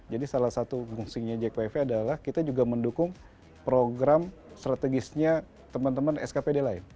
jadi salah satu fungsinya jak wifi adalah kita juga mendukung program strategisnya teman teman skpd lain